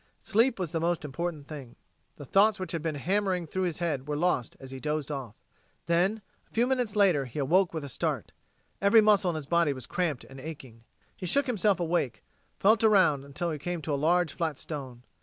Sleep was the most important thing. The thoughts which had been hammering through his head were lost as he dozed off. Then, a few minutes later, he awoke with a start. Every muscle in his body was cramped and aching. He shook himself awake, felt around until he came to a large flat stone.